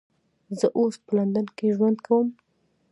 زه اوس په لندن کې ژوند کوم